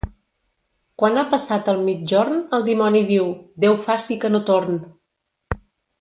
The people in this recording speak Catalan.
Quan ha passat el migjorn el dimoni diu: «Déu faci que no torn».